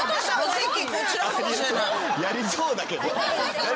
やりそうだけど。